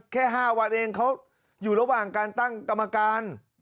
แค่๕วันเองเขาอยู่ระหว่างการตั้งกรรมการ